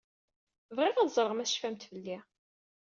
Bɣiɣ ad ẓreɣ ma tecfamt fell-i.